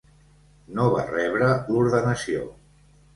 No va rebre l'ordenació.